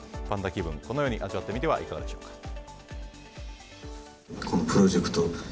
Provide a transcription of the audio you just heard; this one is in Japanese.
パンダ気分、このように味わってみてはいかがでしょうか。